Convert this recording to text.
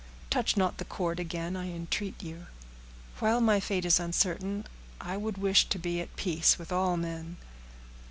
"Touch not the chord again, I entreat you. While my fate is uncertain, I would wish to be at peace with all men."